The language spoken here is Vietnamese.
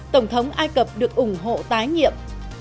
tổng thống ai cập được ủng hộ tái nghiệm